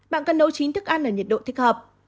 bạn cần nấu chín thức ăn ở nhiệt độ thích hợp